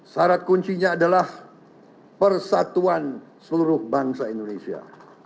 syarat kuncinya adalah persatuan seluruh bangsa indonesia